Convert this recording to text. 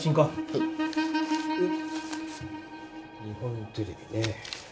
日本テレビね。